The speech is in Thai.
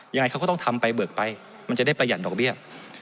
ยังไงเขาก็ต้องทำไปเบิกไปมันจะได้ประหยัดดอกเบี้ย